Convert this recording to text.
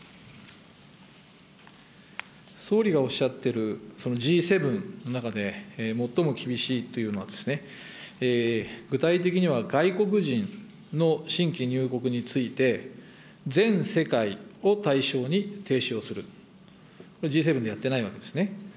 総理がおっしゃっている、そのＧ７の中で最も厳しいというのは、具体的には外国人の新規入国について、全世界を対象に停止をする、Ｇ７でやってないわけですね。